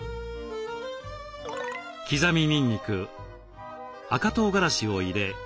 刻みにんにく赤とうがらしを入れ